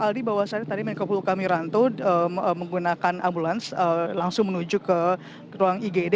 saya berpikir bahwasannya tadi menkopol hukam wiranto menggunakan ambulans langsung menuju ke ruang igd